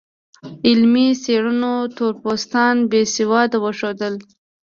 علمي څېړنو تور پوستان بې سواده وښودل.